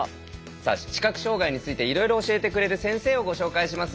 さあ「視覚障害」についていろいろ教えてくれる先生をご紹介します。